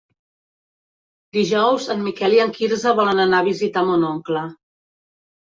Dijous en Miquel i en Quirze volen anar a visitar mon oncle.